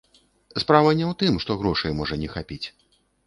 Справа не ў тым, што грошай можа не хапіць.